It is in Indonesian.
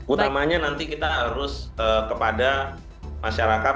utamanya nanti kita harus kepada masyarakat